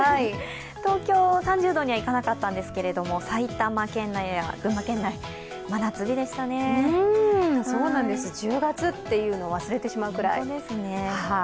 東京は３０度にはいかなかったんですけど、埼玉県内や群馬県内、１０月っていうのを忘れてしまうくらい。